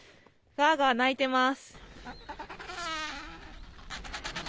ガーガー鳴いています。